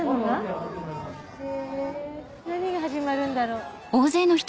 何が始まるんだろう？